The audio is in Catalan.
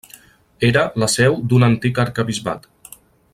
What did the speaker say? Era la seu d'un antic arquebisbat.